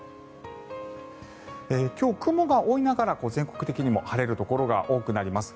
今日、雲が多いながら全国的にも晴れるところが多くなります。